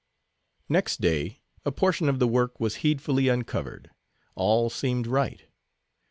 Next day a portion of the work was heedfully uncovered. All seemed right.